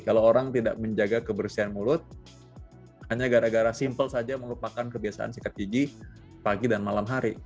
kalau orang tidak menjaga kebersihan mulut hanya gara gara simpel saja melupakan kebiasaan sikat gigi pagi dan malam hari